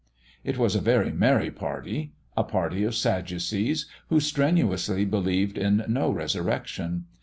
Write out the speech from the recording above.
It was a very merry party a party of sadducees who strenuously believed in no resurrection.